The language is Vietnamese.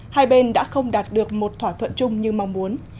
hai bên đã không đạt được một thỏa thuận chung như mong muốn